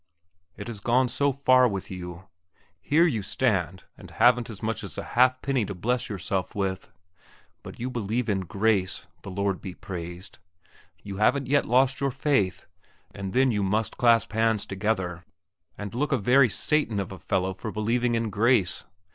It has gone so far with you. Here you stand and haven't as much as a halfpenny to bless yourself with. But you believe in grace, the Lord be praised; you haven't yet lost your faith; and then you must clasp your hands together, and look a very Satan of a fellow for believing in grace.